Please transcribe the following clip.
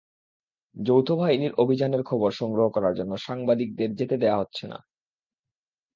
যৌথ বাহিনীর অভিযানের খবর সংগ্রহ করার জন্য সাংবাদিকদের যেতে দেওয়া হচ্ছে না।